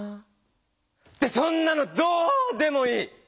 ってそんなのどうでもいい！